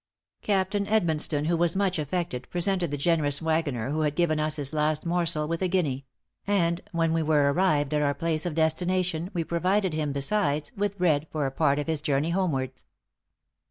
Captain Edmonstone, who was much affected, presented the generous wagoner who had given us his last morsel, with a guinea; and when we were arrived at our place of destination, we provided him, besides, with bread for a part of his journey homewards."